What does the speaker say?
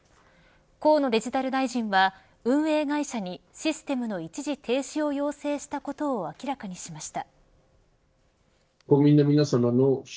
河野デジタル大臣は運営会社にシステムの一時停止を要請したことを明らかにしました。